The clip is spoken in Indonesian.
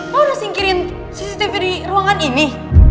lo udah singkirin cctv di ruangan ini